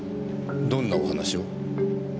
どんなお話を？